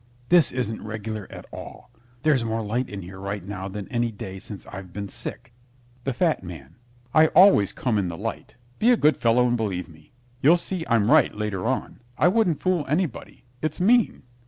This isn't regular, at all. There's more light in here right now than any day since I've been sick. THE FAT MAN I always come in the light. Be a good fellow and believe me. You'll see I'm right later on. I wouldn't fool anybody. It's mean.